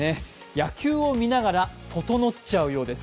野球を見ながらととのっちゃうようです。